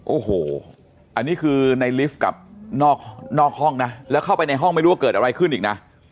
โอ้โหอันนี้คือในลิฟต์กับนอกห้องนะแล้วเข้าไปในห้องไม่รู้ว่าเกิดอะไรขึ้นอีกนะ